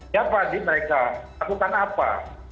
ya pak jadi mereka takutkan apa